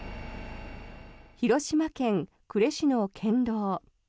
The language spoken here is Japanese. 広島県呉市の県道。